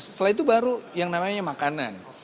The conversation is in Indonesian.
setelah itu baru yang namanya makanan